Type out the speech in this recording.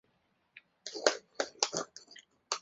后在太原知府张孝纯手下任河东第二将。